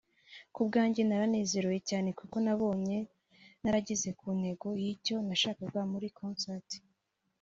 "Ku bwanjye naranezerewe cyaneee kuko nabonye narageze ku ntego y'icyo nashakaga muri concert